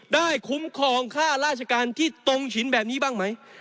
คุ้มครองค่าราชการที่ตรงฉินแบบนี้บ้างไหม